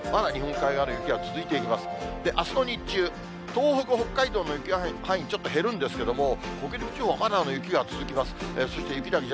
あすの日中、東北、北海道の雪は範囲、ちょっと減るんですけど、北陸地方、まだまだ雪が続きます。